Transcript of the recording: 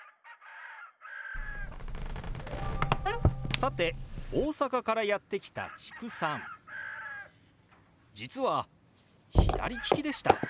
さて大阪からやって来た知久さん実は左利きでした。